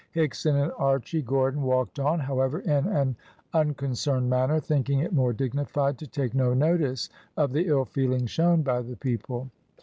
Higson and Archy Gordon walked on, however, in an unconcerned manner, thinking it more dignified to take no notice of the ill feeling shown by the people.